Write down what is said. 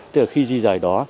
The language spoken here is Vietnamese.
tức là khi di dời đó